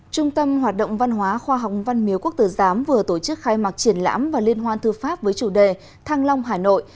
trung tâm hoạt động văn hóa khoa học văn miếu quốc tử giám vừa tổ chức khai mạc triển lãm và liên hoan thư pháp với chủ đề thăng long hà nội